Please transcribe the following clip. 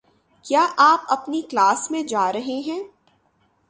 کیا آپ اپنی کلاس میں جا رہے ہیں؟